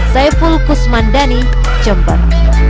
saya fulkus mandani jember